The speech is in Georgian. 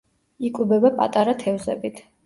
იკვებება პატარა თევზებით.